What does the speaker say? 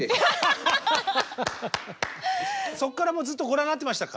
そっからもうずっとご覧になってましたか？